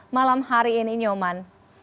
malam hari ini nyoman